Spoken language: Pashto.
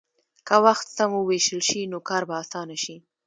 که وخت سم ووېشل شي، نو کار به اسانه شي.